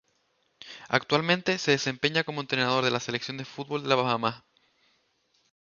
Actualmente se desempeña como entrenador de la selección de fútbol de Bahamas.